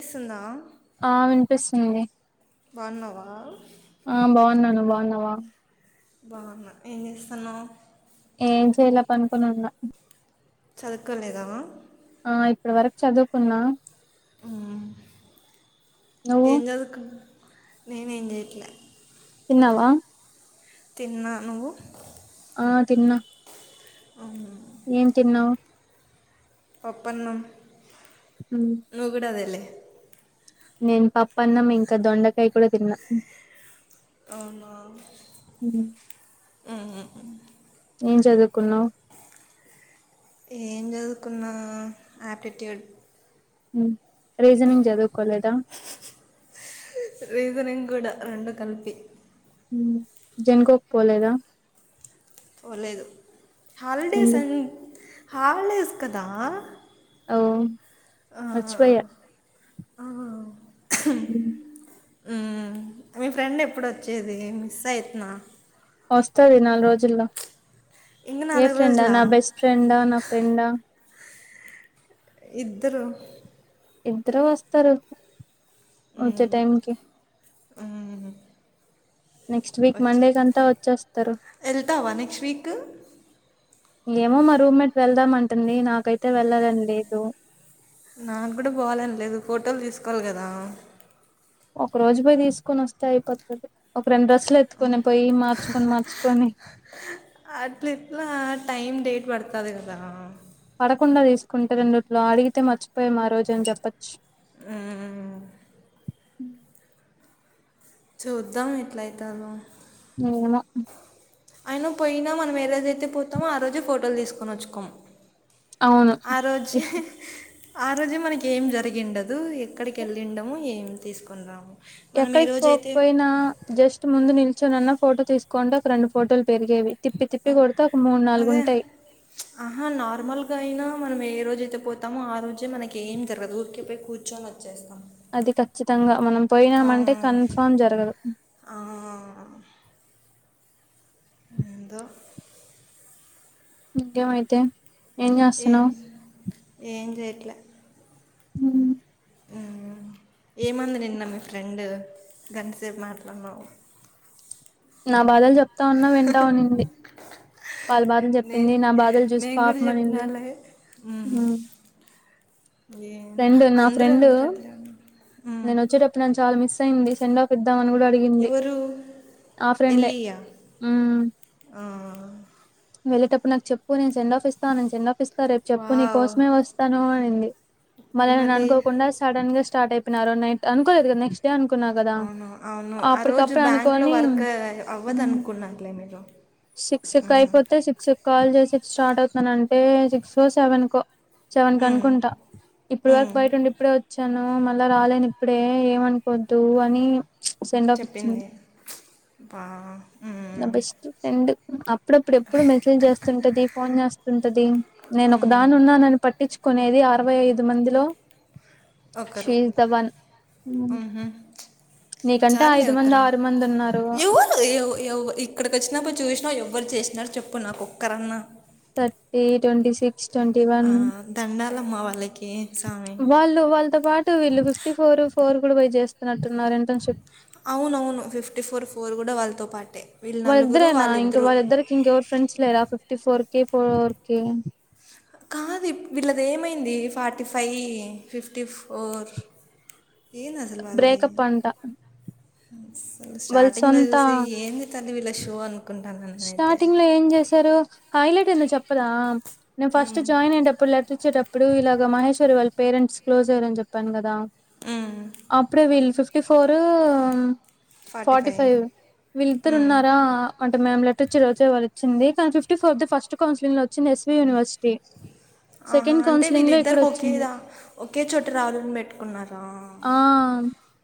చేస్తుందా ఆ వినిపిస్తుంది ఆ ఆ బాగున్నా నువ్వు బాగున్నావా బాగున్న ఏం చేస్తున్నవు ఏం చేయాల పనుకుని ఉన్నా చదువుకోలేదా ఆ ఇప్పడి వరకు చదువుకున్నా హ్మ్ నువ్వు ఏంజదువుకు నేను ఏం చేయట్లే తిన్నావా తిన్నా నువ్వు ఆ తిన్న అవున ఏం తిన్నావ్ పప్పన్నం ఉమ్. నుగుడ అదలే నేను పప్ప అన్నం ఇంకా దొండకాయ కూడా తిన్నా. అవునా మ్ ఉహు ఏం చదువుకున్నావు ఏం చదువుకున్న ఆప్టిట్యూడ్ రీజనింగ్ చదువుకోలేదా గుడ్ రెండు కలిపి జన్కో పోలేదా పోలేదు హాలిడేస్ ఎందు అన్ హాలిడేస్ కదా ఓ ఆ, మచ్చిపోయా ఆ. అ ఉ మీ ఫ్రెండ్ ఎప్పుడు వచ్చేది మిస్ అయితున్నా వస్తది నాలుగు రోజుల్లో ఇంగ ఏ నాలుగు ఫ్రెండా రోజులా నా బెస్ట్ ఫ్రెండా నా ఫ్రెండా ఇద్దరు ఇద్దరు వస్తరు వచ్చే మ్మ్ టైంకి మ్మ్ నెక్స్ట్ వీక్ వచ్చే మండే కంతా వచ్చేస్తరు వెళ్తావా నెక్స్ట్ వీక్ ఏమో మా రూమ్మేట్ వెళ్దామంటుంది నాకైతే వెళ్ళాలని లేదు. నాకు కూడా పోవాలనిలేదు ఫోటోలు తీసుకోవాలి కదా. ఒక రోజు పోయి తీసుకొని వస్తే అయిపోతది ఓక్ రెండు రోజులు ఎత్తుకొని పోయి మార్చుకొని మార్చుకొని టైమ్ డేట్ పడుతది కదా ప్పకుండా తీసుకుంట రెండిట్లో అడిగితే మచ్ పోయాం ఆ రోజు అని చెప్పొచ్చు మ్మ్. చూద్దాం ఎట్లయితదో ఏమో అయిన పోయినా మనం ఏ రోజైతే పోతామో ఆ రోజే ఫోటోలు తీసుకొని వచ్చుకోము అవును ఆరోజే ఆ రోజే మనకి ఏం జరిగిండదు ఎక్కడికి వెళ్ళిండము ఏం తీసుకుని రాము మనం ఏ ఎక్కడికి రోజైతే పోకపోయినా జస్ట్ ముందు నిలిచ చోనన్న ఫోటో తీసుకోంటే ఒక రెండు ఫోటోలు పెరిగేవి తిప్పి తిప్పి కొడితే ఒక మూడు నాలుగు అదే ఉంటాయి రోజయితే పోతాో ఆ రోజే మనకి ఏం జరగదు ఊరికిపోయి కూర్చొని వచ్చేస్తాం అది ఖచ్చితంగా మనం ఆ పోయినామంటే కన్ఫామ్ జరగదు ఆ ఏందో ఇంకేమైతే ఏం ఏం చేయట్లే మ్ ఏమంది నిన్న మీ ఫ్రెండ్ గంటసేపు మాట్లాడినావు నా బాధలు చెప్తా ఉన్నా వింటా ఉనింది వాళ్ళ బాధలు నే చెప్పింది నా బాధలు చూసి నేను కూడా పాపమనింది చెప్పినాలే మ్ ఏమొ అందరు అందరూ అట్లే ఊర్రు మ్ యింది సెండ్ ఆఫ్ ఇద్దామని కూడా అడిగింది ఆ ఫ్రెండే మ్ ఆ వెళ్ళేటప్పుడు నాకు చెప్పు నేను సెండాఫ్ ఇస్తా నేను సెండాఫ్ ఇస్ ప్త రేపు చెప్పు వావ్! నీకోసమే వస్తాను అనింది మళ్ళీ నేను అనుకోకుండా సడన్ గా స్టార్ట్ అయిపోయిన ఆ రోజు నైట్ అనుకోలేదుగ నెక్స్ట్ టే అనుకున్నా కదా అవును. అవును. ఆ రోజు అప్పటికప్పుడు బ్యాంక్‌లో అనుకొని వర్క్ అవ్వదనుకున్నారులే మీరు. సిక్స్ కు హ్మ్. అయిపోతే సిక్స్ కు కాల్ చేసి స్టార్ట్ అవుతానంటే సిక్స్కో సెవెన్కో సేవన్ కు హ్మ్. అనుకుంటా ఇప్పుడు వరకు హ్మ్. బయటుండి ఇప్పుడే వచ్చాన ఆ మళ్ళా రాలేని ఇప్పుడే ఏమనుకోద్దు అని సెండాఫ్ ఇచ్చింది చెప్పింది. అబ్బా! నా హ్మ్. బెస్ట్ ఫ్రెండ్ అప్ ఇప్పుడు ఎప్పుడు మెసేజ్ చేస్తుంటది ఫోన్ చేస్తుంటది నేను ఒక హ్మ్. దాని ఉన్నా అని పట్టించుకొనే నేది అరవై ఐదు మందిలో ఒకరు షీఈస్ ద వన్ మ్ హు నీకంటే చాళ్ళే ఐదు మంది ఒక్కరు ఆరు మంది ఉన్నారు ఎవర్ ఎవ్ ఎవ్ ఇక్కడికోచ్ నప్పుడు చూసినావ్ ఎవ్వరు చేసినారు చెప్పు నాకొక్కరన్న థర్టీ ట్వంటీ సిక్ ఆ దండాలమ్మా వాళ్ళకి సామి. వాళ్ళు వాళ్ళతో పాటు వీళ్ళు ఫిఫ్టీ ఫోర్ ఫోర్ కూడా పోయి చేసుకున్నట్టున్నారంట ఇంటర్న్షిప్ అవునవును ఫిఫ్టీ ఫోర్ ఫోర్ కూడా వాళ్ళతో పాటే వీళ్ళు నలుగురు వాళ్ళిద్దరు స్స్ లేదా ఫిఫ్టీఫోర్ కి ఫోర్ కి కాదు ఇప్ వీళ్ళది ఏమైంది ఫార్టీ ఫైవ్ ఫిఫ్టీ ఫోర్ ఏంది అసలు వాళ్ళది బ్రేకప్ అంట అసలు వాళ్ళ స్టార్టింగ్లో సొంత చూసి ఏంది తని వీళ్ళ షో అన్ స్టార్టింగ్ లో ఏం చేశారు హైలైట్ అయిందో చెప్పదా నేను ఫస్ట్ జాయిన్ అయేటప్పుడు లెట్రిచ్చేటప్పుడు ఇలాగ మహేశ్వరి వాళ్ పేరెంట్స్ క్లోజర్ అని చెప్పాను కదా అప్పుడే వీళ్ళు ఫిఫ్టీ ఫోర్ ఫార్టీ ఫైవ్ వీళ్లిత్తరున్నారా మ్యామ్ లెటర్ ఇచ్చి రోచె వారిచింది fifty fourth the first counselling లోచ్చింది ఎస్వి యూనివర్సిటీ ఆహా సెకండ్ అంటే కౌన్సిలింగ్ లో ఇక్కడ వీళ్ళిద్దరికి వచ్చింది ఒకేదా ఒకే చోట రావాలని పెట్టుకున్నారా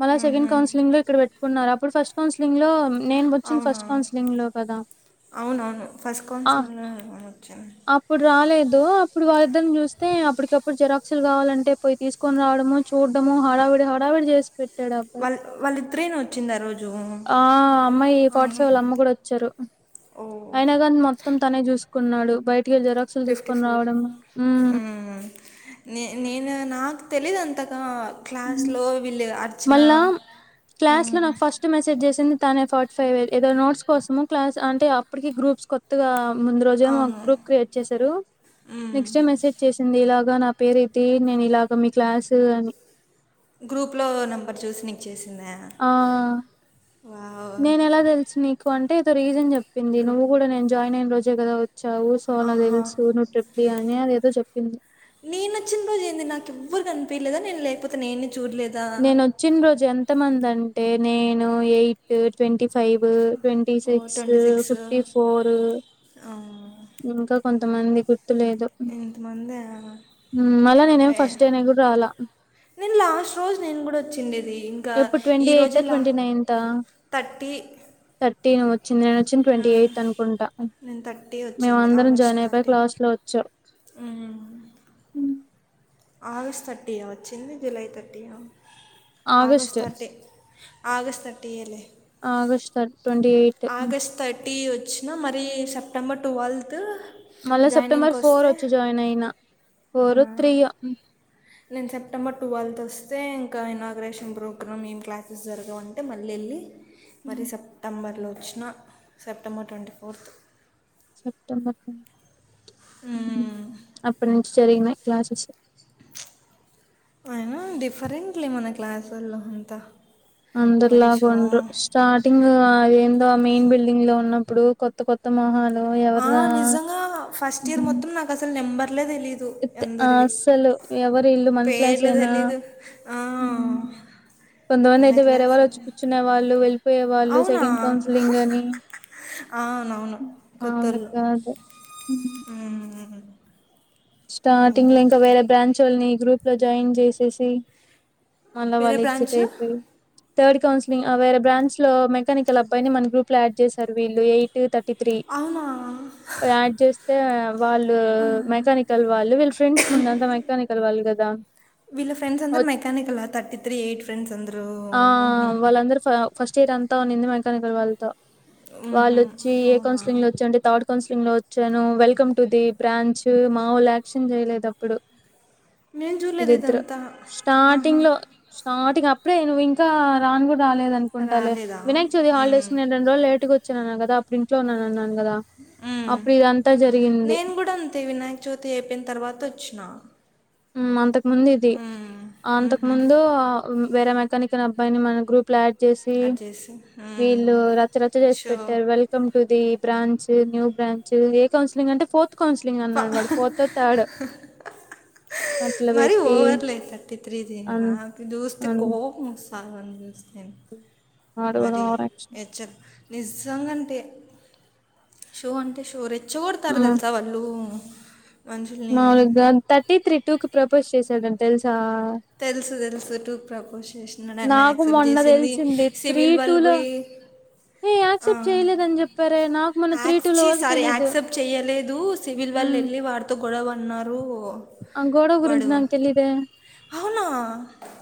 మళ సెకండ్ మ్హూ. కౌన్సిలింగ్ లో ఇక్కడ పెట్టుకున్నారు అప్పుడు ఫస్ట్ కౌన్సిలింగ్ లో నేను వచ్చింది అవునా ఫస్ట్ కౌన్సిలింగ్ లో కదా అవునవును ఫస్ట్ ఆ కౌన్సిలో ఏమి వచ్చింది అప్పుడు రాలేదు అప్పుడు వాళ్ళిద్దరిని చూస్తే అప్పటికప్పుడు జరాక్సులు కావాలంటే పోయి తీసుకొని రావడము చూడ్డము హడావిడి హడావిడి చేసి పెట్ ట్టాడు ఆ అబ్బాయ్ వాళ్ళ వాళ్ళిద్దరేనా వచ్చింది ఆ రోజు ఆ అమ్మాయ్ ఫార్టీ ఆహా. ఫైవ్ వాళ్ల అమ్మ కూడా ఓ అయినాగాని మొత్తం తనే చూసుకున్నాడు బయ్ ఫిఫ్టీ ఫోర్ నే నేను నాకు తెలీదు అంతా క్లాస్ హ్మ్. లో వీళ్ళు అట్ మళ్ళా క్లాస్ లో నాకు ఫస్ట్ మెసేజ్ చేసింది తనే ఫార్టీ ఫైవే ఏదో నోట్స్ కోసము క్లాస్ అంటే అప్పటికి గ్రూప్స్ కొత్తగా ముందు రోజే మా అవును గ్రూప్ క్రియేట్ చేశారు నెక్స్ట్ టైమ్ మెసేజ్ చేసింది ఇలా గా నా పేరు ఇది నేను ఇలాగ మీ క్లాసు అని గ్రూప్ లో నెంబర్ చూసి నీకు చేసి ఆ వావ్ నేను ఎలా తెలుసు నీకు అంటే ఏదో రీజన్ చెప్ చెప్పింది నువ్వు గ్రూప్ కూడా నేన్ జాయిన్ అయిన రోజే కదా వచ్చావు సో అలా ఆహా తెలుసు నువ్వు ట్రిప్లీ అని అది ఏదో చెప్ నేను ఒచ్చిన రోజు ఏంది నాకు ఎవ్వరు కనిపిలేదా నేను లేకపోతే నేనే చూడలేదా నేను వచ్చిన రోజు ఎంతమంది అంటే నేను ఎయిట్ ట్వంటీ ఫైవ్ ట్వంటీ ఓ six twenty six fifty four ఇంకా కొంతమంది గుర్తు లేదు ఇంతమంది మల్ల నేనేమి ఫస్ట్ డేనే కూడా రాలా నెన్ లాస్ట్ రోజ్ నేను కూడా వచ్చిండేది ఇంకా ఎప్పుడు ఈ రోజు లా థర్టీ చింది నేను వచ్చింది ట్వంటీ ఎయిత్ అనుకుంటా నేను థర్టీ వచ్చింది మేమందరం జాయిన్ అయిపోయిక లాస్ట్లో వచ్చావ్ ఊ ఆగస్ట్ థర్టీయా వచ్చింది జూలై థర్టీనా August August. Thirty August thirty ఏలే ఆగస్ట్ థర్ ఆగస్ట్ థర్టీ వచ్చినా మరి సెప్టెంబర్ ట్వెల్త్ మళ్ళా సెప్టెంబర్ జాయినింగ్కి ఫోర్ వస్తే వచ్చి జాయిన్ అయిన ఫోర్ అవునా త్రీ యో నేను సెప్టెంబర్ ట్వెల్త్ వస్తే ఇంకా ఇనాగ్రేషన్ ప్రోగ్రామ్ ఏం క్లాసెస్ జరగవంటే మళ్ళీ ఎళ్ళి మరి సెప్టెంబర్లో వచ్చిన సెప్టెంబర్ ట్వంటీ ఫోర్త్ సెప్టెంబర్ అప్పునుంచీ జరిగినాయ్ క్లాసెస్ అయినా డిఫరెంట్లే మన క్లాసోళ్ళు అంతా హరీషో అందరులాగుండ్రు స్టార్టింగ్ ఆ ఏందో ఆ మెయిన్ బిల్డింగ్ లో ఉన్నం ఇప్పుడు కొత్త కొత్త మొహాల్ ఆ నిజంగా ఫస్ట్ ఇయర్ మొత్తం నాకసలు నెంబర్ ర్లే తెలీదు అందరివి అస్సలు ఎవరు ఇల్లు మన పేర్లు క్లాసేనా తెలీదు ఆ ఆ కొంతమంది అయితే వేరే వాళ్ళచ్చి కూర్చునే వాళ్ళు వెళ్ళిపోయే వాళ్ళు అవునా సెకండ్ కౌన్సిలింగ్ అని అవునవును మాములు కొత్తోళ్ళు కాదు స్టార్టింగ్ లో ఇంకా వేరే బ్రాంచ్ల్ని గ్రూప్ లో జాయిన్ చేసేసి మళ్ళా వేరే వాళ్ళు ఎగ్జిట్ బ్రాంచ్ అయిపోయి థర్డ్ కౌన్సిలింగ్ ఆ వేర బ్రాంచ్ లో మెకానికల్ అబ్బాయి నీ మన గ్రూప్ యాడ్ చేశారు వీళ్ళి టూ థర్డ్ త్రీ అవునా యాడ్ చేస్తే అ వాళ్ళు మెకానిక్ వాళ్ళు వీళ్ళ ఫ్రెండ్స్ ముందంత మెకానికల్ వాళ్ళు కదా వీళ్ ఫ్రెండ్స్ అందరు వచ్- మెకానికల థర్టీ త్రి ఎయిట్ ఫ్ర ఆ వాళ్ళందరు ఫస్ట్ ఇయర్ అంతా ఉండిది మెకానికల్ వాళ్ళతో మ్మ్హ. వాళ్ళోచ్చి ఏ కౌన్సిలింగ్ లో అవునా వచ్చి అంటే థర్డ్ కౌన్సిలింగ్ లో వచ్చాను వెల్కమ్ టు ది బ్రాంచ్ మా వాళ్ళయక్షన్ చేయలేదు అప్పుడు నేను చూడలేదు ఇదిద్దరు ఇదంతా ఆహా స్టార్టింగ్ లో స్టార్టింగ్ అ ఇప్పుడే నువ్వింక రాను కూడా రాలేదు అనుకుంటా లె రాలేదా వినాయ చవితి హాల్డేస్ మ్మ్. నేన్ రెండు రోజులు లేటుట్గా వచ్చన్న కదా అప్పుడు ఇంట్లో ఉన్ననన్నన్ నేన్ కూడా అంతే వినాయక చవితి అయిపోయిన తర్వాత వచ్చిన ఉ అంతకు ముందది మ్మ్. అంతకు మ్హూ. ముందు వేరె మెకానికాల్ అబ్బాయిని మన గ్రూప్ల ఆడ్ చూసి అది చేసి మ్మ్. వీళ్ళు రచ్చరచ్చ చేసి షో పెట్టారు welcome to the branch new branch ఏ కౌన్సిలింగ్ అంటే ఫోర్త్ కౌన్సిలింగ్ ప- అన్నాడు వాడు ఫోర్తో థర్డో మరి ఓవర్లే థర్టీ త్రీ ది అన్ నాక్ చూస్తే అన్ కోపమ్ వస్త వాడు కూడా మరి ఓవరాక్షన్ హచ్ర్ నిజంగా అంటే షో అంటే షో రెచ్చ కొడ్తారు ఉమ్ తెలుసా వాళ్ళు మనుషుల్ని మాములుగా థర్టీ త్రీ టూ కి ప్రపోజ్ చేసాడని తెలుసా తెలుసు తెలుసు టూ క్ ప్రపోజ్ చేసినాడు ఆమె నాకు యాక్సెప్ట్ మొన్న చేసింది తెలిసింది త్రీ సివిల్ టూ వాళ్ళు లో పోయి ఏ అ యాక్సెప్ట్ చేయలేదని చెప్పారే నాకు మొన్న త్రీ టూ లో అక్సీ వరకు తెలీదు ఆక్సిప్ట్ చేయలేదు సివిల్ ఉమ్, వాళ్ళేళ్ళి వారితో గొడవ పడ్న్నారు ఆ గోడవ గురించి నాక్ తెలిదే అవునా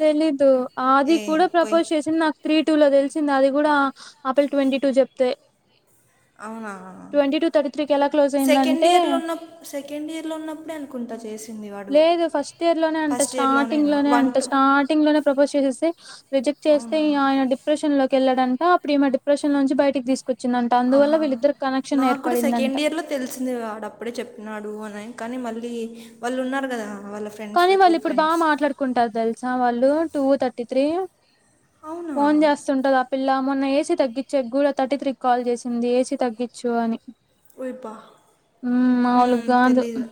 తెలిదు అవది ఏ కూడా పోయి ప్రపోజ్ చేసింద త్రీ టూ లో తెలిసింది అది కూడా ఆపిల్ ట్వంటీ టూ చెప్తే అవునా ట్వంటీ టూ థర్టీ త్రీకి ఎలా క్లోజ్ సెకండ్ అయిందంటే ఇయర్ లో ఉన్నప్ సెకండ్ ఇయర్ లో ఉన్నప్పుడే అనుకుంటా చేసింది వా లేదు ఫస్ట్ ఇయర్ లోనే అంట స్టార్టింగ్ లోనే వన్ అంట టూ స్టార్టింగ్ లోనే ప్రపోజ్ చేసేసి రిజెక్ట్ చే చేస్తే అవునా ఆయన డిప్రెషన్ లోకి వెళ్లడంట అప్పుడు ఈమె డిప్రెషన్లోంచి బయకి తీసుక్ ఆహా నాక్కుడా ఏర్పడిందంట సెకండ్ ఇయర్ లో తెలిసింది వాడప్పుడే చెప్పినాడు అని కానీ మళ్ళీ వాళ్ళు ఉన్నారు కదా వాళ్ళ ఫ్రెండ్స్ కానీ టూ వాళ్ళు ఇప్పుడు బాగా ఫ్రెండ్స్ మాట్లాడుకుంటారు తెలుసా వాళ్ళు టూ థర్టీ త్రీ అవునా ఫోన్ చేస్తుంటద ఆ పిల్ల మొన్న ఏసీ తగ్గిచ్చేగూడ తర్టీ త్రీ కి కాల్ చేసింది ఏసీ తగ్గిచు అని ఓయబ్బా ఉమ్ ఉమ్ మాములుగా కాదు తెలీదు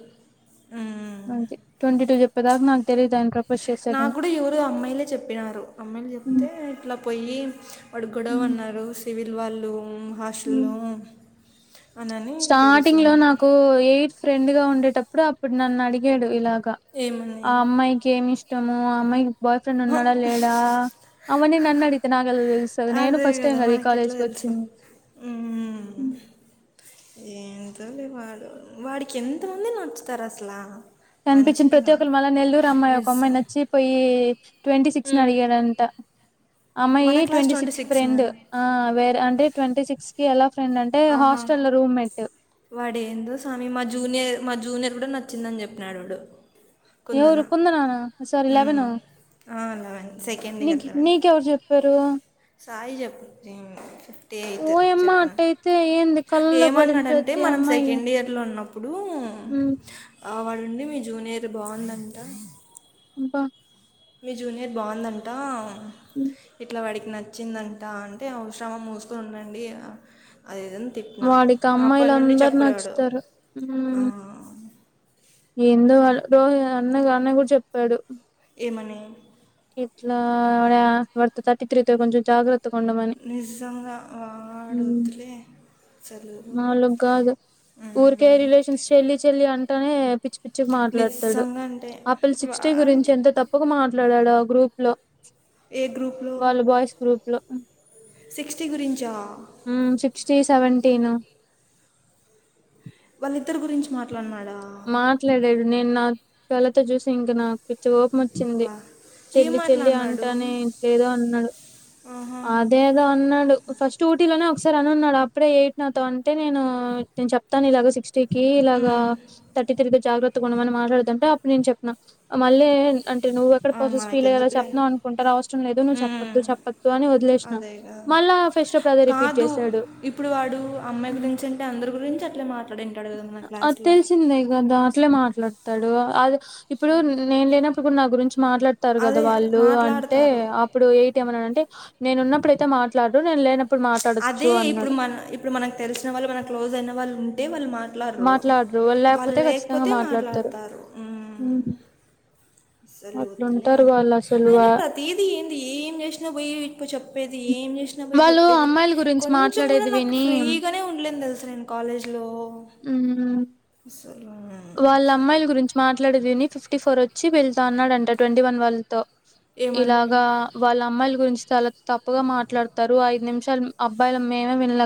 ఉమ్ అంతే ట్వంటీ టూ చెప్పేదాకా నాకు తెలియదు ఆయన ప్రపోజ్ నాకు చేశాడని కూడా ఎవరు అమ్మాయిలే చెప్పినారు అమ్మాయిల్ ఉమ్ తే ఇట్ల పోయ్యి వాడు గొడవ ఉమ్ అన్నారు సివిల్ వాళ్ళు హాస్టల్ ఉమ్ లో స్టార్టింగ్ లో నాకు ఎయిర్ ఫ్రెండ్ గా ఉండేటప్పుడు అప్పుడు నన్ను అడిగేడు ఇలా ఏమని ఆ అమ్మాయికి ఏమి ఇష్టము ఆ అమ్మాయికి బాయ్ ఫ్రెండ్ ఉన్నాడా లేడా అవన్ని నన్ను అడిగితే నాకెలా తెలుస్తాది నేను ఫస్ట్ టైం కదా ఈ కాలేజ్కి వచ్చింది మ్ ఎంటో లే వాడు వాడికి ఎంతమంది నచ్చుతారు అసలా కనిపించిన ప్రతి ఒక్కరు మళ్ళ నెల్లూరు అమ్మాయి ఒక నిజం అమ్మాయి నచ్చిపోయి ట్వంటీ సిక్స్ను మ్మ్. అడిగాడంట ఆ అమ్మాయి మన క్లాస్ ట్వంటీ సిక్స్ సిక్స్నా ఫ్రెండ్ ఆ వేరే అంటే ట్వంటీ సిక్స్ కి అలా ఆహా వాడేందో స్వామి మా జూనియర్ మా జూనియర్ కూడా నచ్చిందని చెప్పినాడు వాడు కుందన ఏవరు కుందానానా కుంది సారీ లెవెను లెవెన్ సెకండ్ నీ ఇయర్ లెవెన్ నీకెవరు చెప్పారు సాయి చెప్పు నేను ఫిఫ్టీ అయిట్ ఓయమ్మ చెప్పిన అట్టయితే ఏంది కళ్ళలో పడిన ఏమన్నాడంటే ప్రతి మనం అమ్మాయి సెకండ్ ఇయర్ లో ఉన్నప్పుడు ఉమ్ వాడుండి మీ జూనియర్ బాగుందంట బ మీ జూనియర్ బాగుందంట ఇట్లా వాడిక్ నచ్చిందంట అంటే అవసరమా మూసుకొని ఉండండి అది ఇది అని తిట్టిన వాడికి అప్పడి నుండి అమ్మాయిలందరు చెప్పిలేఆడుఆ నచ్చుతారు ఉమ్ ఏందో వాడు రోజు అన్న అన్న కూడా చెప్పాడు ఏమని ఇట్ల వాడితో థర్టీ త్రీ తో వాడితో కొంచం జాగ్రత్త నిజంగా వాడు వద్దులే చదువు మములుగా కాదు ఊరికె మ్మ్. రిలేషన్స్ చేల్లి చేల్లీ అం టనే పిచ్చి పిచ్చిగ మాట్లాడుతాడు నిజంగా అంటే ఆపిల్ వా సిక్స్టీ గురించి అంటే ఎంత తప్పుకు మాట్లాడాడో గ్రూప్ లో ఏ గ్రూప్లో వాళ్ళ బాయ్స్ గ్రూప్ లో సిక్స్టీ గురించా టీ సెవెంటీన్ వాళ్ళ ఇద్దరి గురించి మాట్లాడ్ నా మాట్లాడాడు నేను నా కళ్ళతో చూసి ఇంక నాకు పిచ్చ కో వచ్చింది అబ్బా ఏం చెల్లి చెల్లి మాట్లాడినాడు అంటానే ఇట్లా ఏదో అన్నాడు ఆహా అదేదో అన్నాడు ఫస్ట్ ఊటి లోనే ఓ కసారి అని ఉన్నాడు అప్పుడే ఎయిట్ నాతో అంటే నేను నేను చెప్తాను ఇలాగా సిక్ టికి ఇలాగా మ్మ్. తట్టిత్రి తో జాగ్రత్తగా ఉండమని మాట్లాడోదంటే అప్పుడు నేను చెప్పిన మళ్ళీ అంటే నువ్వేక్కడ ఆ, పోసెస్ ఫీల్ అయ్యేల మనకెందుకులే చెప్తున్నవ్ అనుకుంటారు అవసరం లేదు నువ్వు చెప్పోద్దు చెప్పద్ అదేగా అప్పుడు అదే రిపీట్ కాద కాదు చేశాడు ఇప్పుడు వాడు అమ్మాయి గురించి అంటే అం అందరి గురించి అట్ అది తెలిసిందే కదా అట్లే మాట్లాడుతాడు అద్ ఇప్పుడు ఛీ. నేను లేనప్పుడు కుడా నా గురించి మాట్లాడుతారు కదా అదే వాళ్ళు అంటే మాట్లాడతారు అప్పుడు ఏయిట్ డంటే నేను ఉన్నప్పుడైతే మాట్లాడు నేను లేనప్ అదే ఇప్పుడు మన ఇప్పుడు మనకి తెలిసిన వాళ్ళు మన క్లోజ్ అయిన వాళ్ళు ఉంటే వాళ్ళు మా ట్లర్రు మాట్లాడరు వాళ్లు ఖచ్చితంగా లేకపోతే మాట్లాడతారు మాట్లాడుతారు ఉమ్ సరేలే వద్దులే అట్లుంటారు వాళ్ళు అసలు అయిన వా ప్రతిదీ ఏంది ఏం చేసినా పోయి ఇడ్క్ చెప్ ప్పేది ఏం చేసినా పోయి వాళ్ళు చెప్పేది అమ్మాయిల గురించి కొంచం కూడా మాట్లాడేది నాకు విని ఫ్రీగానే ఉండలేను తెలుస నేను కాలేజ్ లో ఉమ్ వాళ్ళ అమ్మాయిల గురించి మాట్లాడేది విని ఫిఫ్టీ ఫోర్ వచ్చి వెళ్ళతో అన్నాడంట ట్వంటీ వన్ వాళ్ళతో ఏమని ఇలాగా వాళ్ళు అమ్మాయిల గురించి చాలా తప్పుగా మాట్లాడతారు ఐదు నిమిషాలు అబ్బాయిలం మేమే విన